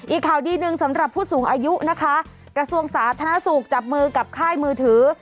อีกข่าวดีหนึ่งสำหรับผู้สูงอายุนะคะกระทรวงสาธารณสุขจับมือกับค่ายมือถือ